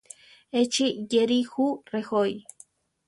Échi yéri jú rejoí.